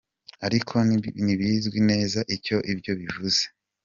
Ariko ntibizwi neza icyo ibyo bivuze.